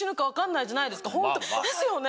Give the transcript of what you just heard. ですよね？